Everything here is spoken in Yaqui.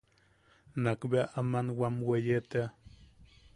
Nak bea aman wam weye tea.